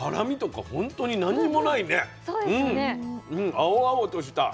青々とした。